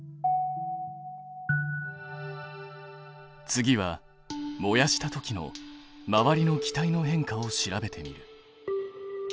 次は燃やしたときの周りの気体の変化を調べてみる。